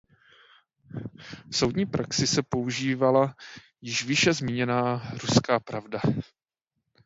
V soudní praxi se používala již výše zmíněná Ruská pravda.